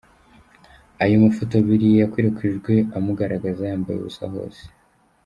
Ayo mafoto abiri yakwirakwijwe amugaragaza yambaye ubusa hose.